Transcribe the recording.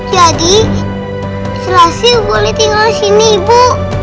jadi selasih boleh tinggal disini ibu